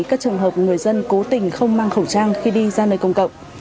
các trường hợp người dân cố tình không mang khẩu trang khi đi ra nơi công cộng